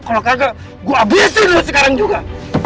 kalau kagak gue abisin loh sekarang juga